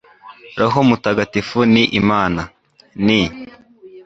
roho mutagatifu ni imana, ni